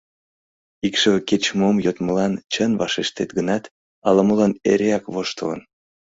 Икшыве кеч-мом йодмылан чын вашештен гынат, ала-молан эреак воштылын.